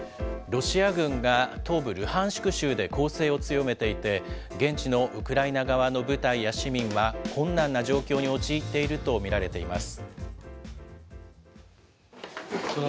ロシア軍が東部ルハンシク州で攻勢を強めていて、現地のウクライナ側の部隊や市民は、困難な状況に陥っていると見られています。